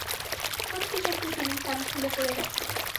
সত্যি-সত্যি ceiling fan খুলে পড়ে গেছে।